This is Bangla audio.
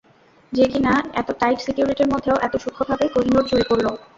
যে কিনা এত টাইট সিকিউরিটির মধ্যেও এত সুক্ষ্মভাবে কোহিনূর চুরি করল।